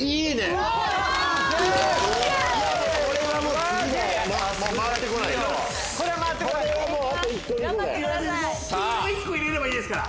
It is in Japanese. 黄色１個入れればいいですから！